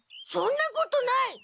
そんなことない！